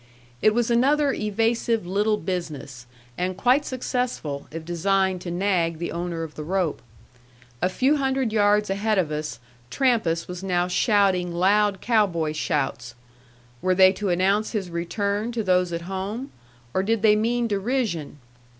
It was another evasive little business, and quite successful, if designed to nag the owner of the rope. A few hundred yards ahead of us Trampas was now shouting loud cow boy shouts. Were they to announce his return to those at home, or did they mean derision?